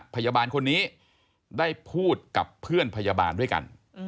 พยาบาลคนนี้ได้พูดกับเพื่อนพยาบาลด้วยกัน